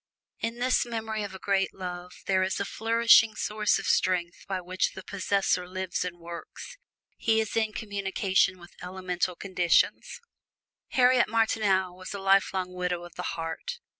In this memory of a great love, there is a nourishing source of strength by which the possessor lives and works; he is in communication with elemental conditions. Harriet Martineau was a lifelong widow of the heart.